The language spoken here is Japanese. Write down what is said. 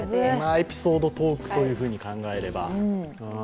エピソードトークというふうに考えれば。